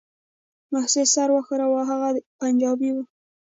محسن سر وښوراوه هغه پنجابى و.